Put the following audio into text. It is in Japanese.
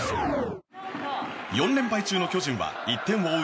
４連敗中の巨人は１点を追う